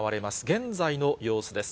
現在の様子です。